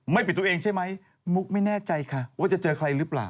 ปิดตัวเองใช่ไหมมุกไม่แน่ใจค่ะว่าจะเจอใครหรือเปล่า